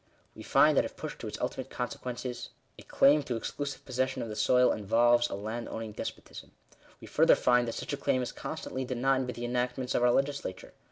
We find that if pushed to its ulti mate consequences, a claim to exclusive possession of the soil involves a landowning despotism. We further find that such a claim is constantly denied by the enactments of our legislature.